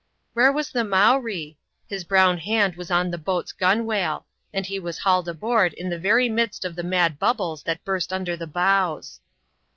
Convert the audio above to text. Where was the Mowree? His brown hand was on the boat's gunwale ; and he was hauled aboard in the very midst of ^e mad bubbles that burst under the bows.